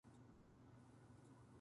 柿は美味しい。